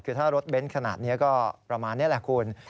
คือถ้ารถเบ้นขนาดนี้ก็ประมาณนี้แหละคุณ